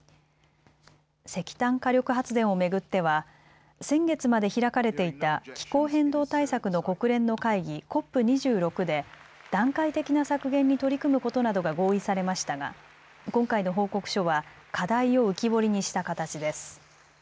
石炭火力発電を巡っては先月まで開かれていた気候変動対策の国連の会議、ＣＯＰ２６で段階的な削減に取り組むことなどが合意されましたが今回の報告書は課題を浮き彫りにした形です。